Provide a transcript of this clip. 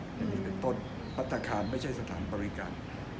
อย่างนี้เป็นต้นพัฒนาคารไม่ใช่สถานบริการ